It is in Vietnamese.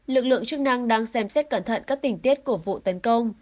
lực lượng chức năng đang xem xét cẩn thận các tình tiết của vụ tấn công